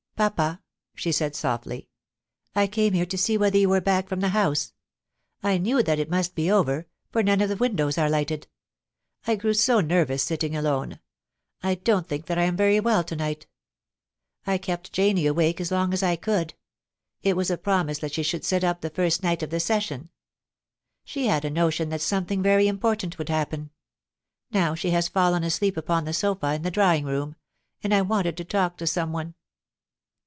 * Papa,' she said softly, * I came here to see whether you were back from the House. I knew that it must be owr, for none of the windows are lighted. I grew so nervous sitting alone ; I don't think that I am very well to night I kept Janie awake as long as I could ; it was a promise that she should sit up the first night of the session. She had a notion that something very important would happ>en. Now she has fallen asleep upon the sofa in the drawing room; and I wanted to talk to some one.'